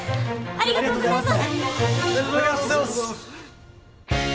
ありがとうございます！